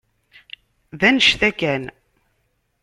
D anect-a kan.